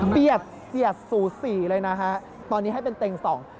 เปรียบเสียบสูสี่เลยนะฮะตอนนี้ให้เป็นเต็งสอง